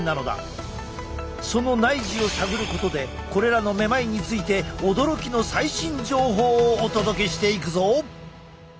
この内耳を探ることでこれらのめまいについて驚きの最新情報をお届けしていくぞ！